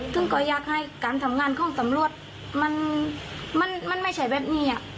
ซึ่งก็อยากให้การทำงานของตำรวจมันไม่ใช่แบบนี้